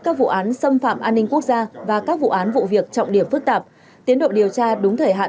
các vụ án xâm phạm an ninh quốc gia và các vụ án vụ việc trọng điểm phức tạp tiến độ điều tra đúng thời hạn